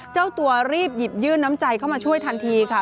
เจ้าตัวรีบหยิบยื่นน้ำใจเข้ามาช่วยทันทีค่ะ